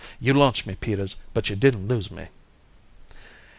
You launched me, Peters, but you didn't lose me."